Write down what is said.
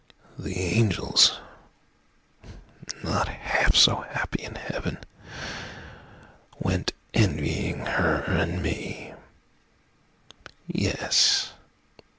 The angels, not half so happy in heaven, Went envying her and me; Yes!